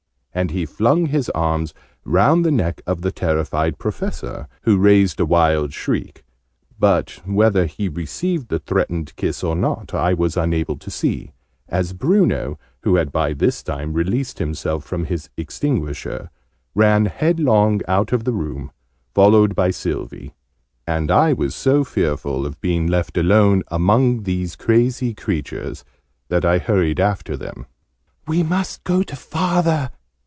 And he flung his arms round the neck of the terrified Professor, who raised a wild shriek, but whether he received the threatened kiss or not I was unable to see, as Bruno, who had by this time released himself from his extinguisher, rushed headlong out of the room, followed by Sylvie; and I was so fearful of being left alone among all these crazy creatures that I hurried after them. "We must go to Father!"